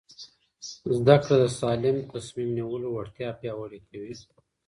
زده کړه د سالم تصمیم نیولو وړتیا پیاوړې کوي.